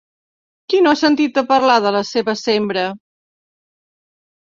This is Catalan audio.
Qui no ha sentit a parlar de la seva sembra?